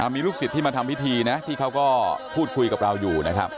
มีลูกศิษย์ที่มาทำพิธีนะที่เขาก็พูดคุยกับเราอยู่นะครับ